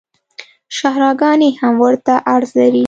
شاهراه ګانې هم ورته عرض لري